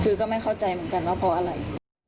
คือก็ไม่เข้าใจเหมือนกันว่าเพราะอะไร